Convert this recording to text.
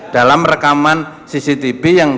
dalam rekaman cctv yang